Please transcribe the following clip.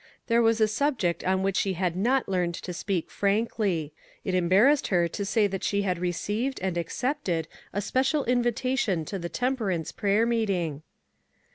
There was a subject on which she had not learned to speak frankly. It embarrassed her to say that she had received and accepted a special invitation to the temperance prayer meeting.